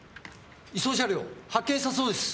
移送車両発見したそうです！